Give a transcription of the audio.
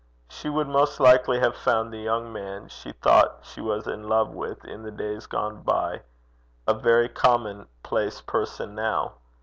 She would most likely have found the young man she thought she was in love with in the days gone by a very commonplace person now.